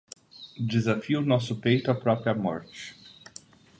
Desafia o nosso peito a própria morte!